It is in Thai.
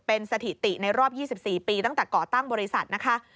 เป็นสถิติในรอบ๒๔ปีตั้งแต่ก่อตั้งบริษัทนะคะ